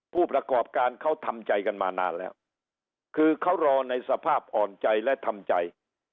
ผู้ประกอบการเขาทำใจกันมานานแล้วคือเขารอในสภาพอ่อนใจและทำใจ